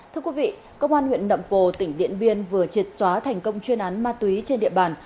thưa quý vị công an huyện nậm pồ tỉnh điện biên vừa triệt xóa thành công chuyên án ma túy trên địa bàn